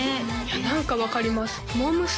何か分かりますモー娘。